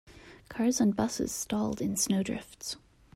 Cars and busses stalled in snow drifts.